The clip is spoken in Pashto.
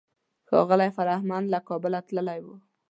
ښاغلی فرهمند له کابله تللی و.